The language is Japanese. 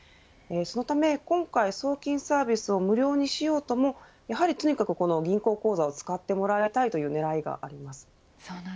そのため今回、送金サービスを無料にしようともとにかく銀行口座を使ってもらいたいという狙いがあります。